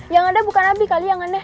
yang ada bukan nabi kali yang aneh